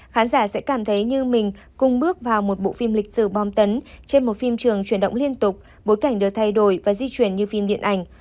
khán giả sẽ cảm thấy như mình cùng bước vào một bộ phim lịch sử bom tấn trên một phim trường chuyển động liên tục bối cảnh được thay đổi và di chuyển như phim điện ảnh